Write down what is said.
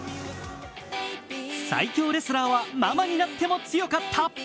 最強レスラーはママになっても強かった。